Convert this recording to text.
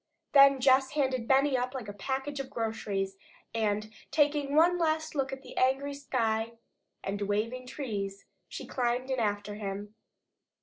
Then Jess handed Benny up like a package of groceries and, taking one last look at the angry sky and waving trees, she climbed in after him.